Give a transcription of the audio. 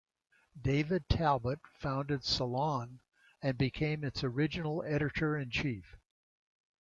David Talbot founded "Salon" and became its original editor-in-chief.